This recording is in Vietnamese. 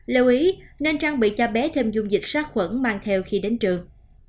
lưu ý nên trang bị cho bé thêm dung dịch sát khuẩn mang theo khi đến trường